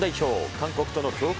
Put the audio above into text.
韓国との強化